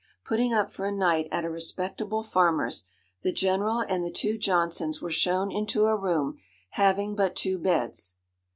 Putting up for a night at a respectable farmer's, the General and the two Johnsons were shown into a room, having but two beds.